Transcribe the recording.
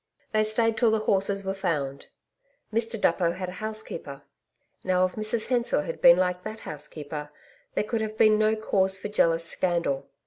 They stayed till the horses were found. Mr Duppo had a housekeeper now if Mrs Hensor had been like that housekeeper there could have been no cause for jealous scandal.